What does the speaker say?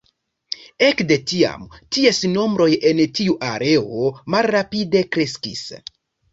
Ekde tiam, ties nombroj en tiu areo malrapide kreskis.